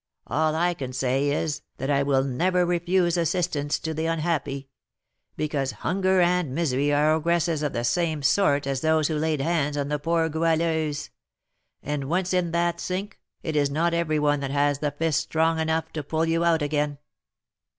All I can say is, that I will never refuse assistance to the unhappy; because Hunger and Misery are ogresses of the same sort as those who laid hands on the poor Goualeuse; and, once in that sink, it is not every one that has the fist strong enough to pull you out again."